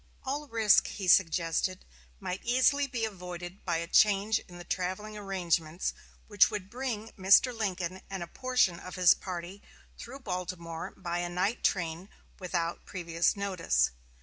"All risk," he suggested, "might be easily avoided by a change in the traveling arrangements which would bring Mr. Lincoln and a portion of his party through Baltimore by a night train without previous notice."